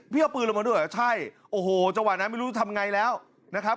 เอาปืนลงมาด้วยเหรอใช่โอ้โหจังหวะนั้นไม่รู้จะทำไงแล้วนะครับ